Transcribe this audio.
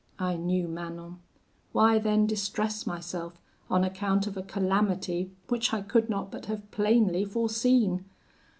I knew Manon: why then distress myself on account of a calamity which I could not but have plainly foreseen?